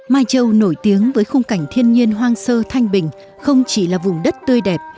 mai châu nổi tiếng với khung cảnh thiên nhiên hoang sơ thanh bình không chỉ là vùng đất tươi đẹp